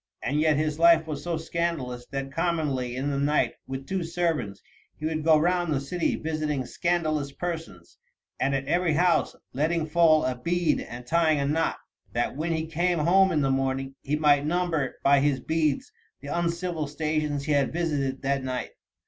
And yet his life was so scandalous that commonly in the night, with two servants, he would go round the city visiting scandalous persons, and at every house letting fall a bead and tying a knot, that when he came home in the morning, he might number, by his beads, the uncivil stations he had visited that night.